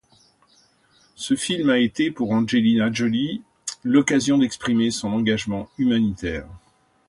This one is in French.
Ce film a été pour Angelina Jolie l'occasion d'exprimer son engagement humanitaire.